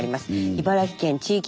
茨城県地域